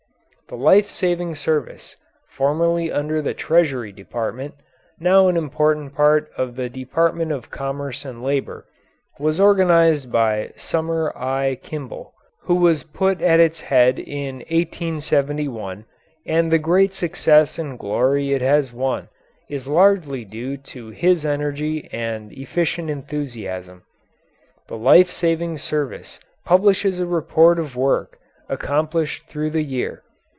The Life Saving Service, formerly under the Treasury Department, now an important part of the Department of Commerce and Labour, was organised by Sumner I. Kimball, who was put at its head in 1871, and the great success and glory it has won is largely due to his energy and efficient enthusiasm. The Life Saving Service publishes a report of work accomplished through the year.